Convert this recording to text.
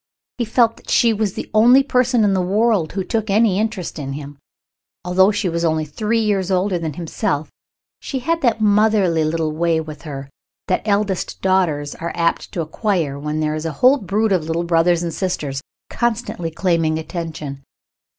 He felt that she was the only person in the world who took any interest in him. Although she was only three years older than himself, she had that motherly little way with her that eldest daughters are apt to acquire when there is a whole brood of little brothers and sisters constantly claiming attention.